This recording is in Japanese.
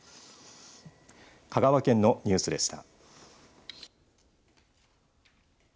香川県のニュースでした。